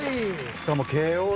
しかもＫＯでね。